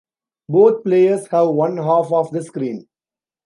Both players have one half of the screen.